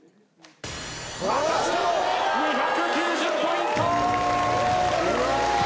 またしても２９０ポイント！